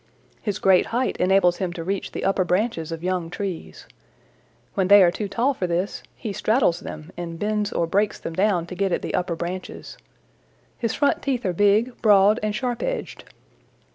His great height enables him to reach the upper branches of young trees. When they are too tall for this, he straddles them and bends or breaks them down to get at the upper branches. His front teeth are big, broad and sharp edged.